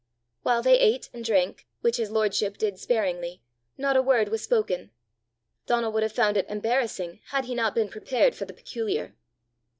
While they ate and drank, which his lordship did sparingly, not a word was spoken. Donal would have found it embarrassing had he not been prepared for the peculiar.